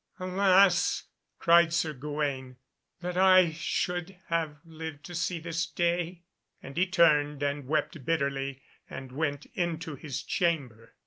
"Alas!" cried Sir Gawaine, "that I should have lived to see this day;" and he turned and wept bitterly, and went into his chamber.